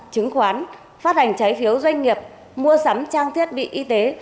chứng khoán phát hành trái phiếu doanh nghiệp mua sắm trang thiết bị y tế